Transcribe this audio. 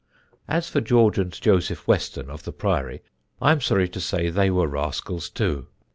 "As for George and Joseph Weston, of the Priory, I am sorry to say they were rascals too.